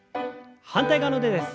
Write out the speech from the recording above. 反対側の腕です。